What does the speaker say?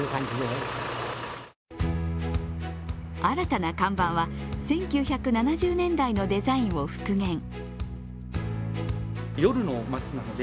新たな看板は１９７０年代のデザインを復元。